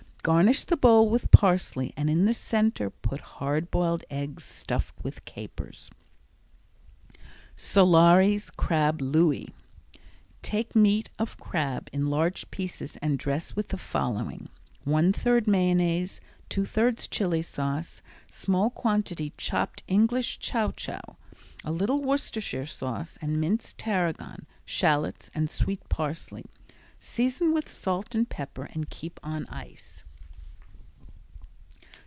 Garnish the bowl with parsley and in the center put hard boiled eggs stuffed with capers. Solari's Crab Louis Take meat of crab in large pieces and dress with the following: One third mayonnaise, two thirds chili sauce, small quantity chopped English chow chow, a little Worcestershire sauce and minced tarragon, shallots and sweet parsley. Season with salt and pepper and keep on ice.